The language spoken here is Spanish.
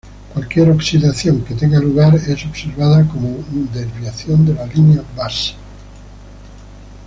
Cualquier oxidación que tenga lugar es observada como desviación de la línea base.